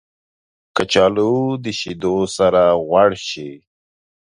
کچالو د شیدو سره غوړ شي